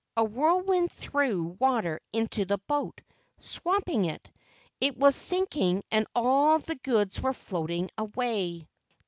A whirlwind threw water into the boat, swamping it. It was sinking and all the goods were floating away.